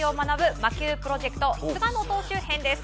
魔球プロジェクト菅野投手編です。